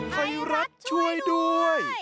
ไทยรัฐช่วยด้วย